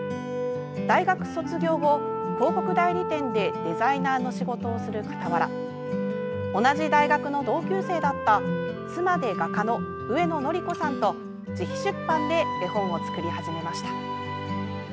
大学卒業後、広告代理店でデザイナーの仕事をする傍ら同じ大学の同級生だった妻で画家の上野紀子さんと自費出版で絵本を作り始めました。